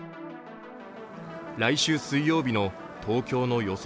来週水曜日の東京の予想